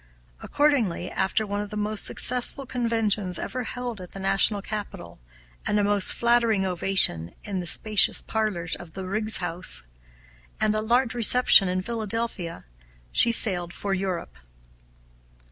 Accordingly, after one of the most successful conventions ever held at the national capital, and a most flattering ovation in the spacious parlors of the Riggs House, and a large reception in Philadelphia, she sailed for Europe.